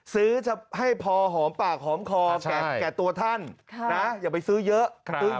จะให้พอหอมปากหอมคอแก่ตัวท่านอย่าไปซื้อเยอะ